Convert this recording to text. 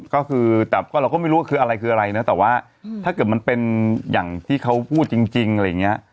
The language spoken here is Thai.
ก็คือแต่ก็เราก็ไม่รู้ว่าคืออะไรคืออะไรนะแต่ว่าถ้าเกิดมันเป็นอย่างที่เขาพูดจริงอะไรอย่างเงี้ย